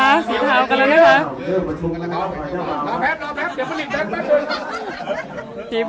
ศรีทัวกันแล้วนะคะ